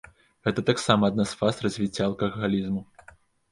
Гэта таксама адна з фаз развіцця алкагалізму.